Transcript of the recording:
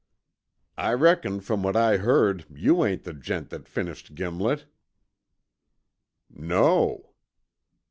"I reckon, from what I heard, you ain't the gent that finished Gimlet." "No."